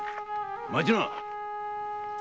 待ちな！